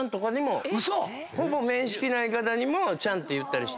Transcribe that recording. ほぼ面識ない方にも「ちゃん」って言って。